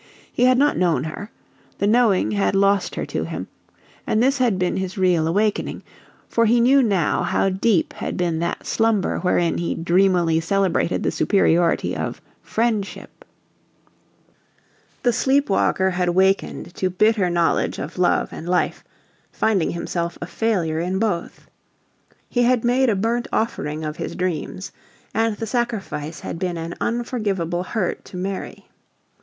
He had not known her; the knowing had lost her to him, and this had been his real awakening; for he knew now how deep had been that slumber wherein he dreamily celebrated the superiority of "friendship"! The sleep walker had wakened to bitter knowledge of love and life, finding himself a failure in both. He had made a burnt offering of his dreams, and the sacrifice had been an unforgivable hurt to Mary.